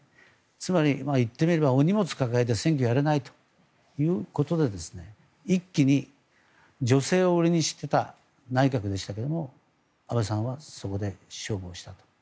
つまり、言ってみればお荷物を抱えて選挙やれないということで一気に、女性を売りにしていた内閣でしたけど安倍さんはそこで勝負をしたと。